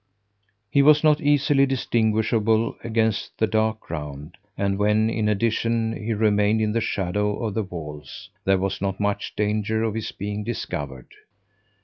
He was not easily distinguishable against the dark ground, and when, in addition, he remained in the shadow of the walls, there was not much danger of his being discovered.